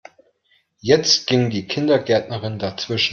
Jetzt ging die Kindergärtnerin dazwischen.